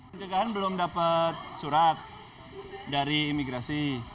pencegahan belum dapat surat dari imigrasi